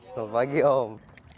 selamat pagi om